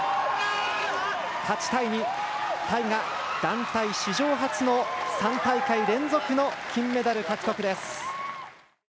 ８対２、タイが団体史上初の３大会連続の金メダル獲得です。